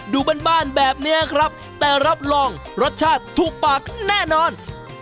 ดูบ้านแบบนี้ครับแต่รับรองรสชาติถูกปากแน่นอน